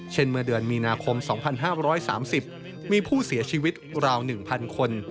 เมื่อเดือนมีนาคม๒๕๓๐มีผู้เสียชีวิตราว๑๐๐คน